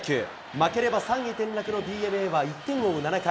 負ければ３位転落のＤｅＮＡは１点を追う７回。